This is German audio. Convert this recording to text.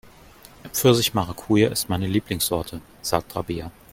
Pfirsich-Maracuja ist meine Lieblingssorte, sagt Rabea.